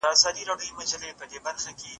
بزګران د ارغنداب سیند د اوبو سره مینه لري.